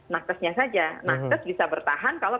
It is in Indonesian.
naketnya saja naket bisa bertahan kalau